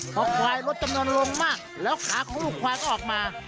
พอควายลดจำนวนลงมากแล้วขาของลูกควายก็ออกมา